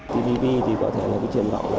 tpp có thể là một truyền động